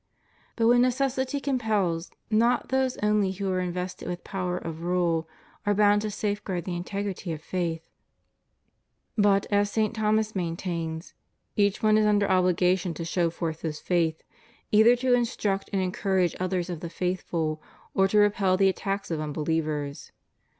But when necessity compels, not those only who are invested with power of rule are bound to safeguard the integrity of faith, but, as St. Thomas maintains, ''Each one is under obligation to show forth his faith, either to instruct and encourage others of the faithful, or to repel the attacks of unbelievers."